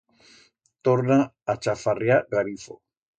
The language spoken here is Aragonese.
Torna a chafarriár garifo.